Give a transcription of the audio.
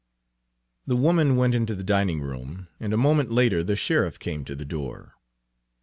The woman went into the dining room, and a moment later the sheriff came to the door.